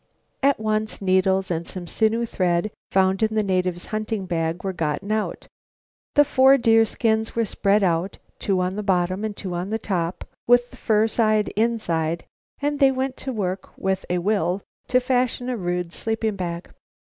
At once needles and some sinew thread found in the native's hunting bag were gotten out, the four deerskins were spread out, two on the bottom and two on top, with the fur side inside, and they went to work with a will to fashion a rude sleeping bag.